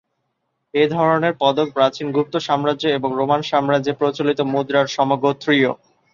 এ ধরনের পদক প্রাচীন গুপ্ত সাম্রাজ্য এবং রোমান সাম্রাজ্যে প্রচলিত মুদ্রার সমগোত্রীয়।